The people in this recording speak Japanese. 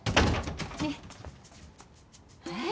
ねえ。えっ？